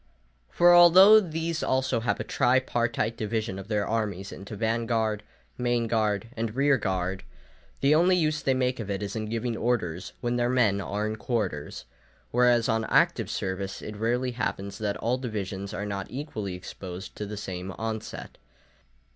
For although these also have a tripartite division of their armies into van guard, main body, and rear guard, the only use they make of it is in giving orders when their men are in quarters; whereas on active service it rarely happens that all divisions are not equally exposed to the same onset.